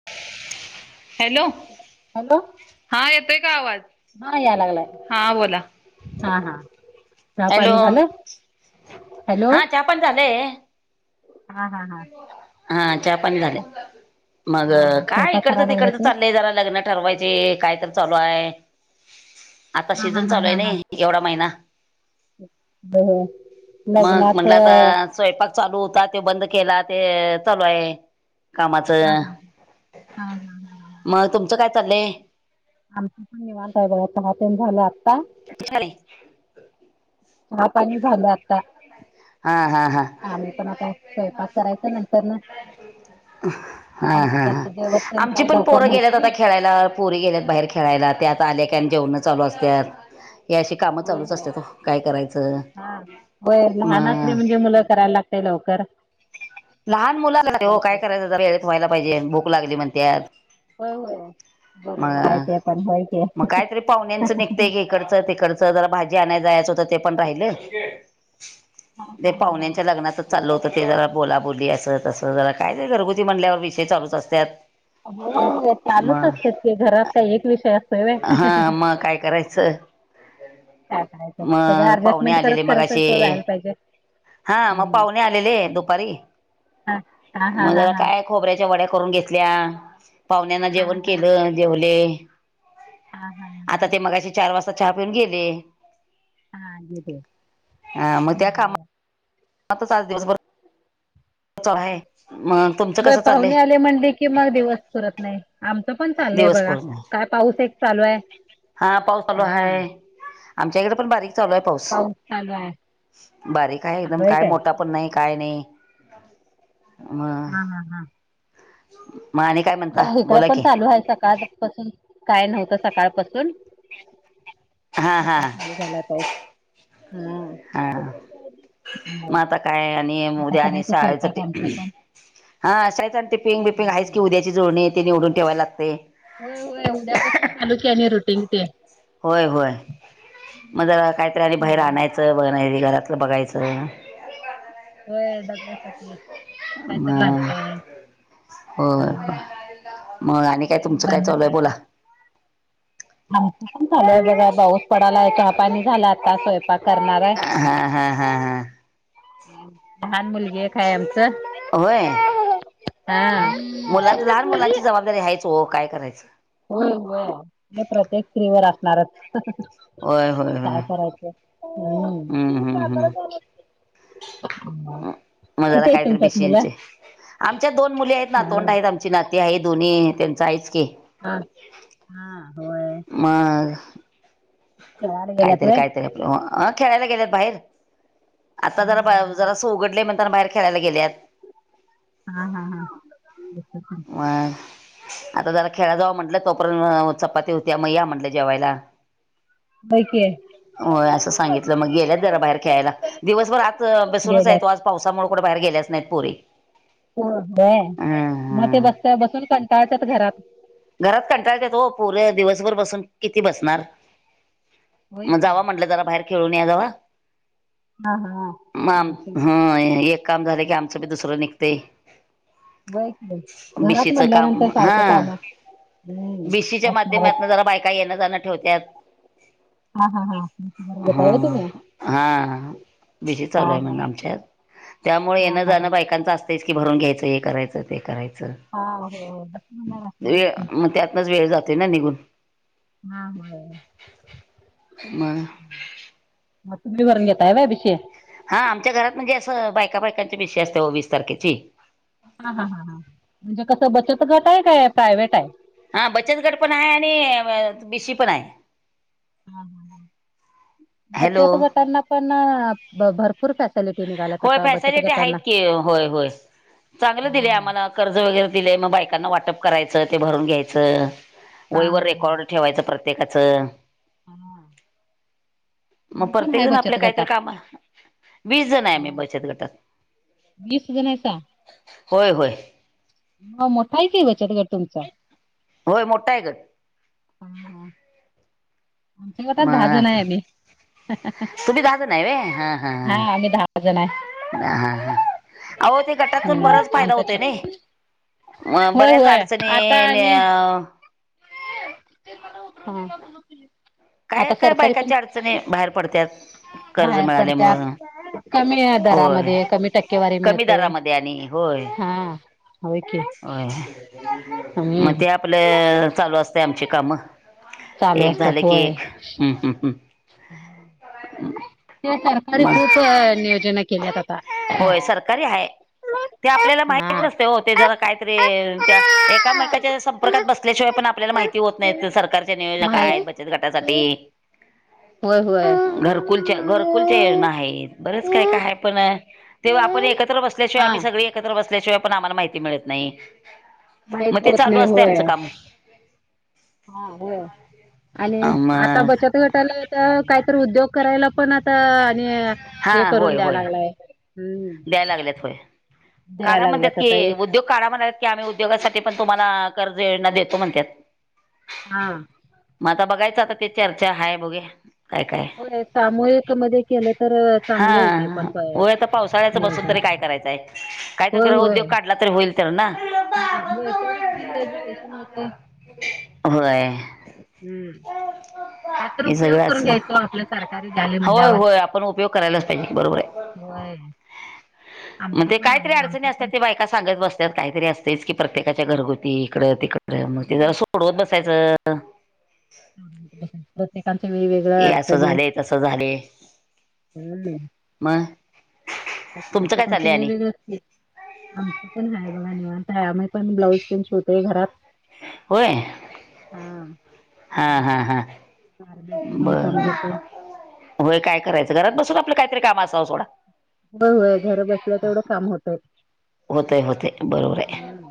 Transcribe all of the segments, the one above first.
[inaudible] Hello hello हा येतोय का आवाज? हा याय लागलाय हा बोला हा हा चहा हॅलो पाणी झालं हॅलो हा चहा पाणी झालंय हा हा हा हा चहा पाणी झाले मग हा काय स्वयंपाक इकडच करायला लागला तिकडच ते चाललंय जरा लग्न ठरवायची काय तर चालू आहे आता हा हा सीझन हा चालू आहे हा ना हा एवढा महिना हो हो मग लग्नात म्हणलं आता स्वयंपाक चालू होता तो बंद केला ते चालू आहे हा कामाचं हा हा हा हा ह ह ह तुं काय चाललय? आमच पण निवांत आहे बघा चहा पिऊन झाल आत्ता खले [unintelligible] चहा पाणी झालं आता हा हा हा आम्ही पण आता स्वयंपाक करायचा नंतर न हा हा हा आमच्यात जेवण तेन आमची काय पण लवकर पोरं होत गेल्यात नाही आता [unintelligible] खेळायला पोरी गेल्यात बाहेर खेळायला त्या आता आल्या कि आणि जेवण चालू असतात या शिक काम होय चालूच होय असत्यात ओ काय करायच हा होय लहान असले म्हणजे मुलं करायला लागतेय लवकर लहान मुलं होय हो की काय करायचं जरा वेळेत व्हायला पाहिजे भूक लागली म्हणत्यात होय होय मग बरोबर आहे ते पण होय की मग हा कायतरी पाहुण्यांचं निघ तेक इकडचं तिकडचं जरा भाजी आणायला जायचं होत ते पण राहिलं ते हा हा हा पाहुण्यांच्या लग्नाच चालल होत ते जरा बोला बोली अस तसं जरा काय घरगुती म्हणल्यावर विषय चालूच असतात हो म चालूच असतात की घरात काही एक विषय असतोय व्हय हा मग काय करायचं काय करायचं सगळं मग पाहुणे ॲडजस्टमेंट करत आलेले मग करतच असे तो जायला पाहिजे हा मग पाहुणे आ लेले दुपारी हां हां हां हां मजरा हां काय खोबऱ्याच्या वड्या करून घेतल्या पाहुण्याना हां जेवण हां केलं जवले हां हां आता हां ते मगाशी चार वाजता चहा पिऊन गेले. हा तीथे [unintelligible] आता आज दिवसभर च आहे मग तुमचं कसं चाललंय. म्हणली की मग दिवस पुरत नाही आमच पण चाललय दिवस बघा पूर्ण काय पाऊस एक चालू आहे. हा पाऊस चालू आहे हां आमच्याकडे पण बारीक चालू आहे. पाऊस चालू आहे बारीक आहे एकदम काय मोठा पण नाही काय नाही. हा हा हा. म आणि काय म्हणता इकडं बोला पण की चालू आहे सकाळ पासून काय नव्हतं सकाळपासून हा हा आता चालू झालाय पाऊस हा. म आता काय आणि उद्या आणि करायचा स्वयंपाक शाळेसाठी आमचं पण. हा शाळेत आणि ते पिंग बिपिंग हा. आहेच की उद्याची जुडणी तेनी निवडून ठेवाय लागते. होय होय उद्यापासून चालूच आहे रुटीन ते. होय होय मग जरा काहीतरी आणि बाहेर हा. आणायचं बघ घरातलं बघायचं होय डबण्यासाठी काय तर लागतंय. हो हम्म. मग आणि काय तुमचं काय मुलांना चालूय बोला. आमच पण झालय बघा पाऊस पडाला चहापाणी झाला आता स्वय हा हा हा हा. लहान मुलगी आहे काय आमच होय हा मुलांच लहान मुलांची जबाबदारी हा येच ओ काय करायचं. होय होय ते प्रत्येक स्त्रीवर असणारच होय होय काय होय करायचं हम्म. [unintelligible] मजाला किती आहेत काहीतरी तुमच्यात मुलं? बेशींचे आमच्या दोन मुली आहेत हा. नातोंड आहेत आमची नाती आहे दोन्ही त्यांच आहेच की. हा हा होय. मंग. खेळायला गेल्यात काहीतरी व्हय. कायतरी आपल्या अ खेळायला गेल्यात बाहेर आता हा हा जरा जरास उघडले म त्यांना बाहेर खेळायला गेलेत. हा हा हा. मग. आता जला खेड जाव म्हटलं तोपर्यंत चपाती होती मग या म्हटले जेवायला. होय की. होय असं सांगितलं मग गेल्यात जरा बाहेर खेळायला. दिवसभर आज बसूनच गेल्यात आहेत आज पावसामुळे कुठे बाहेर गेल्याच नाहीत पोरीे. होय काय मग ते बसत बसून कंटाळतात घरात घरात कंटाळत्यात हो पूर दिवसभर बसून किती बसणार. होय मग की. जाव म्हंटलं जरा बाहेर खेळून या जाव. हा हा मग आम होय हा एक काम झालं की आमचं बी दुसरं निघतय. की घरात भिशीचं काम म्हणल्यानंतर हा. सारखं काम हम्म भिशीच्या असणारच माध्यमातन जरा बायका येण जाणं ठेवत्यात हा हा हा घेताय व्हय हा तुम्ही हा भिशी हा चालू आहे हा मग आमच्यात. त्यामुळे हा येनं हा हा जाणं बायकांचं असतयस की भरून घ्यायचं हे करायचं ते करायचं. हा हो. [unintelligible] म वेळ जाते ना निघून हा होय. [unintelligible] मग मग तुम्ही भरून घेताय व्हय भिशी. हा आमच्या घरात म्हणजे असं बायका बायकांची भिशी असते व वीस तारखेची. हा हा ह हां म्हणजे कसं बचत गट आहे काय प्रायव्हेट आहे. हा बचतगड पण आहे आणि बीशी पण आहे. ह ह बचत हॅलो गटांना पण भरपूर फॅ होय फॅसलिटी आहेत की होय होय. चांगलं दिलंय हा आम्हाला कर्ज वगैरे दिलेय मग बायकांना वाटप करायचं ते भरून घ्यायचं. हा वईवर हा. रेकॉर्ड ठेवायचं प्रत्येकाचं. हा मग आम्ही पण प्रत्येक आहे जण बचत आपल्या काहीतरी गटात. काम ण मी हा बचत गटात वीस जण आहेसा होय होय. हो मोठा आहे का बचतगट तुमचा. होय मोठा आहे ग. हा हा. आमच्या गटात दहा जण मग आहे आम्ही. तुम्ही दहा जण आहे व्हय हा हा आम्ही दहा जण आहे ह हा ह. अहो ते गटातून हम्म बरच फायदा आमचा होत छोट नाही अ होय बऱ्याच होय अडचणी आता न आणि हो. काय काय बायकांच्या अडचणी बाहेर पडतात कर्ज बाहेर मिळाल्यामुळ. पडत्यात. कमी होय दरामध्ये कमी टक्केवारी कमी मिळते. दरामध्ये आणि होय हा होय की होय हम्म मधी आपलं चालू असते आमची काम चालू एक झालं की एक हम् त्या सरकारी मग खूप नियोजन केल्यात आता होय सरकारी आहे ते आपल्याला हा माहत नसते हो ते जरा काहीतरी त्या एकामेकाच्या संपर्कात बसल्याशिवाय पण आपल्याला माहिती होत नाही सरकारच्या नियोजना काय आहेत माहित बचत गटासाठी होय होय घरकुलच्या घरकुलच्या योजना आहेत बरेच काय काय पण तेव्हा आपण एकत्र बसल्याशिवाय हा आम्ही सगळी एकत्र बसल्याशिवाय पण आम्हाला माहिती मिळत नाही माहित मग ते होत चालू नाही असते होय आमचं काम हा होय आणि आता मग बचत घटाला काहीत उद्योग करायला पण आता आणि हे हा करून होय द्याय होय लागलाय द्याय लागल्यात होय द्याय का म्हणतात लागल्यात की आता एक उद्योग काढा म्हणात की आम्ही उद्योगासाठी पण तुम्हाला कर्ज देतो म्हणतात हा. मग आता बघायचं आता ते चर्चा हाय बघूया काय काय होय सामूहिक मध्ये केलं तर चांगले य ते पण पावसाळ्याच बसून नियोजन तरी काय करायचंय काही तर होय ग्रह होय उद्योग काढला तरी होईल तर ना. हा हो तेवढेच बिल व्याज पैसे नतय. होय. हम्म कायत हे उपयोग सगळं करून असं घ्यायचो. आपलं सरकारी द्याले होय म्हणल्यावर होय आपण उपयोग करायलाच पाहिजे बरोबर आहे होय मग आमचं ते पण कायतरी आहे अडचणी आमचं असतात पण ते बायका सांगत बसत त काहीतरी असतेच की प्रत्येकाच्या घरगुती इकडं तिकडं मग ते जरा हा सोडवत बसायचं प्रत्येकांचं मीळ वेगळं हे असं अडचणी झालंय तसं झालंय हम्. मग तुमचं काय ण ते चाललंय आणि? वेगवेगळ असते आमचं पण आहे बघा निवांत आहे आम्ही पण ब्लाऊज पिन शोवतोय घरात होय हा हा परत हा हा गारमेंटच पण बर काम घेतय होय काय करायचं घरात बसून आपलं काहीतरी काम असावं सोडा होय होय घर बसल्या तेवढं काम होतय होतय, होतय बरोबर आहे हं.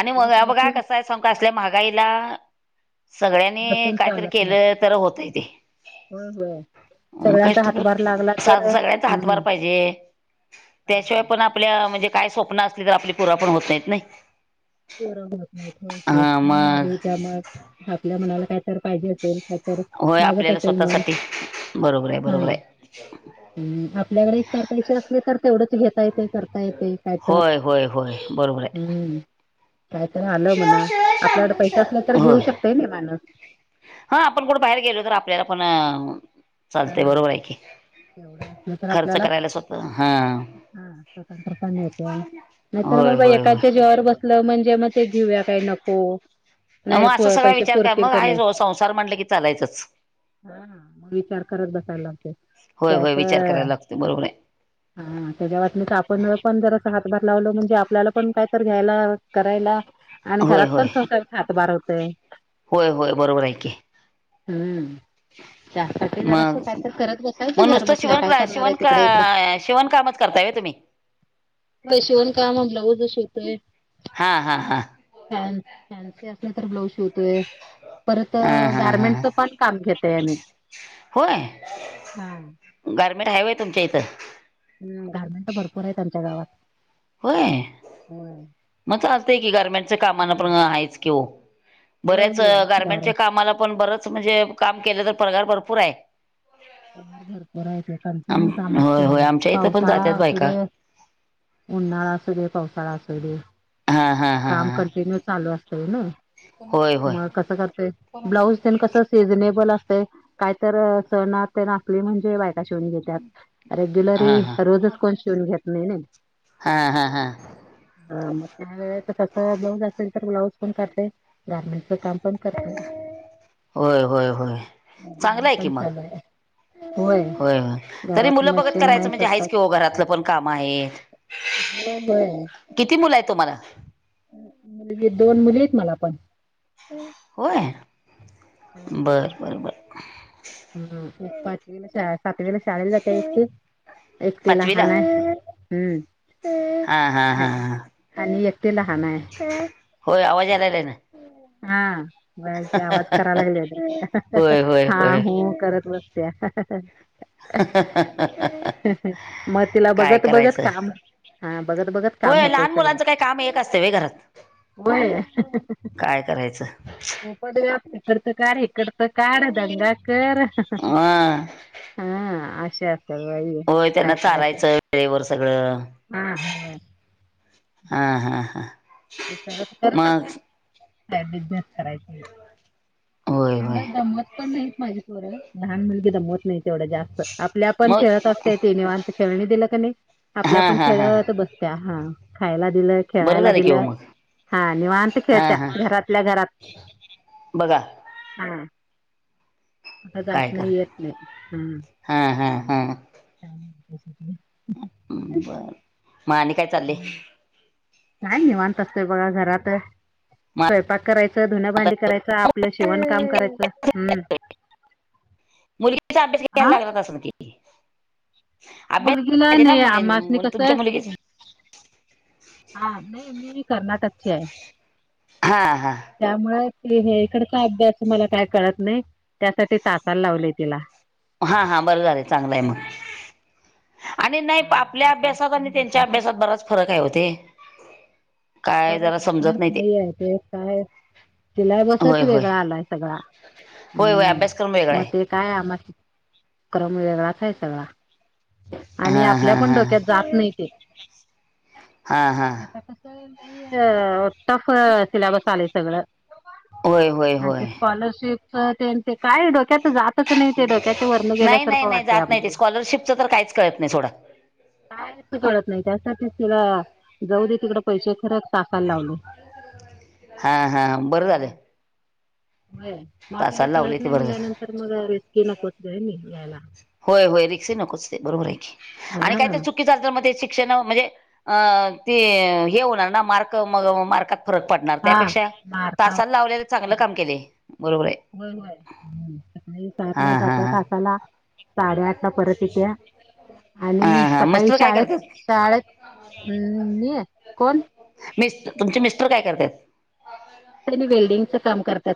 आणि म उगाच बघा बसून कस आहे सगुका असल्या महागाईला सगळ्यांनी बसून काहीतरी चालत नाही. केलं तर होतय ते. होय, होय मग सगळ्यांचा कष्ट तर हातभार लागला तर सगळ्यांचा हातभार हम्म. पाहिजे हा [unintelligible] त्याशिवाय पण आपल्या म्हणजे काय स्वप्न असली तर आपली पुर पण होत नाही नाही? पुर्ण होत नाहीत होयकी हा मन मारण मग हो त्या मग आपल्या मनाला काय तर पाहिजे. होय मारत आपल्याला असेल मान स्वतःसाठी बरोबर आहे हा. बरोबर आहे हम्म आपल्याकडे एक, चार पैसे असले तर तेवढंच घेत काही पण करता येते कायटर होय होय होय बरोबर आहे हम्म. काय तर आलं म्हणा आपल्याकड पैसे असले तर घेऊ होय शकते ना माॅणर हा आपण कुठ बाहेर गेलो तर आपल्याला पण चालत हां. बरोबर आहे की तेवढं असलं तर खर्च आपल्याला करायला स्वतः हा स्वतंत्र पण येत्या. नाहीतर मग होय बाई होय होय एकाच्या जेवावर बसलं म्हणजे मग ते घेऊया काय नको मग नाही असा सगळा पैसे विचार करा पुरतील का नाही मग संसार म्हटलं की चालायचच? हा मग विचार करत बसायलागते होय होय त्याच्या विचार करायला लागतो बरोबर आहे हा त्याच्या वाटनेत आपण पण जर अस हातभार लावलं म्हणजे आपल्याला पण काय तर घ्यायला करायला आणि होय घरात पण होय संसार हात भार होतय. होय होय बरोबर आहे की हम्म त्यासाठी जरा अस मग काय तर करत बसायचं मग घर नुसतं बसल्या शिवण काय क्ला करणार आहे शिवण का तिकड, इकडं, शिवण कामच करताय होय तुम्ही होय शिवण काम ब्लाउज शिवतोय. हा हा हा. फॅनस फॅन्सी असल्या तर ब्लाऊज शिवतोय परत हा हा हा गारमेंटच पण काम घेते आहे मी. होय. हा. गारमेंट आहे होय तुमच्या इथं? ह गारमेंट तर भरपूर आहेत आमच्या गावात. होय होय मग चालतय की गारमेंटच्या कामाना हा. पण आहेयच कि हो. होय बऱ्याच होय गार गारमेंटच्या कामाला पण बरच म्हणजे काम केलं तर पगार भरपूर आहे. पगार भरपूर आहे की आम कंटिन्यू काम असत होय होय आमच्या इथं पण पावसाळा जात्यात अस बायका दे उन्हाळ अस दे, पावसाळा अस दे, हा. हा हा काम हा कंटिन्यू चालू असतय ना होय होय मग कस करता येईल? ब्लाऊज ते कसं सीझनेबल असतं काय तर सण असते ना असली की म्हणजे शिवून घेतात रेग्युलरी हा हा रोजच कोण शिवून घेत नाही नाइ. हा हा हां. हा मग काय? कस ब्लाउज असेल तर ब्लाउज पण करते, गार्मेंटच काम पण करते. होय, होय, होय. चांगलं हे आहे की पण मग चालू आहे. होय, होय तरी घरात मुलं बघत मशीन आहे करायचं म्हणजे आहेच कि स्वतःच हो घरातलं पण काम आहेत. होय होय. किती मुलं आहे तुम्हाला? मुलगी दोन मुली आहेत मला पण. होय बर बर बर. हम्म एक पाचवीला शाळा सातवीला शाळेला जाते की. एक ती पाचवीला लहान आहे हा हा हम्म हा हा आणि एक ते लहान आहे होय आवाज यायलाय ना हा. ती आवाज करा लागली आहे होय होय हा. होय हो करत बसत्या मग तिला काय बघत बघत करायचं काम हा बघत बघत काम होय होतय लहान सगळ मुलांचं काय काम एक असतं व्हय घरात होय काय करायचं? हो पण इकड तर काढ इकड तर काढ दंगा कर अ हा आशा [unintelligible] होय त्यांना चारायचं वेळेवर सगळं हा होय हां हां हां! ते खरच आपलं का बिझनेस करायचे. होय होय एवढं दमवत पण नाहीत माझी खरं लहान मुलगी दमवत नाही तेवढं जास्त आपल्या आपण मग खेळत असते ते निवांत खेळणी दिलं का नाही. आपल्या हा आपण हा हा खेळत बसत त्या हा खायला दिलं बरं खेळायला झालं की हो दिलं मग हा निवांत हा खेळच्या हा घरातल्या घरात. बघा हा आता काय जात कर नाही येत नाही हम हा हा हा ह [unintelligible] बर मग आणि काय चाललय? काय निवांत असतय बघा घरात मग स्वयंपाक करायचं, धुन भांडी, करायचं आपलं शेवण काम करायचं हम्म मुलगीचा अभ्यास आ? घ्यायला लागत असल की? अभ्यास मुलगीला पाहिजे ना नाही मुलीं आमास नी कसं तुमच्या मुलगीच हा नाही मी कर्नाटकची हाय. हा हां त्यामुळे त हे इकडचा अभ्यास मला काय कळत नाही त्यासाठी तासाला लावले तिला. हा हा बरं झालं चांगलंय मग. आणि नाही हा आपल्या मग तास अभ्यासात आणि तेन त्यांच्या घेत्यातच. अभ्यासात बराच फरक आहे ओ ते काय बरक जरा समजत डिफरन्स नाही लई आहे ते काय होय सिलॅबसच होय वेगळा आलाय सगळा. होय होय हम्म अभ्यासक्रम वेगळा मग आहे. ते काय अभ्यासक्रम वेगळाच आहे सगळा. आणि हा हा आपल्या पण हा डोक्यात जात नाही ते हा हा आता टफ सिलेबस आलेय सगळं होय होय आणि ते होय स्कॉलरशिप ते काय डोक्यात जात तस नाही ते डोक्याच्या वरण नाही नाही गेल्यासारखं नाही वाटतंय जात नाही ते आपल्याला स्कॉलरशिपचं तर काहीच कळत नाही सोडा. कायच कळत नाही त्यासाठीच तिला जाऊ दे तिकडे पैसे खरच टाकायला लावले. हा हा बरं झाल. होय मग आपल्याला लावले कळत ते नाही बरं म्हणल्या झालं. नंतर मग रिस्की नकोच आहे रिक्स घ्यायला. होय होय रिस्की नकोच ते बरोबर आहे की हा आणि काय तर चु शिक्षण म्हणजे ते होणार ना मार्क मार् फरक पडणार हा त्यापेक्षा मार्का तासाला लावलेलं चांगलं काम केले बरोबर आहे. हो सकाळी हा सातला हा जात्या हा तासाला. साडेआठ ला परत येत्या. आणि हा हा सकाळी मिस्टर काय शाळेत करतात शाळेत गेली, कोण? मिस् तुमचे मिस्टर काय करतात? त्यांनी वेल्डिंगच काम करतात.